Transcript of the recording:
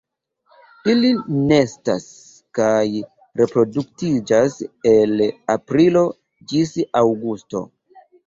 Ili nestas kaj reproduktiĝas el aprilo ĝis aŭgusto.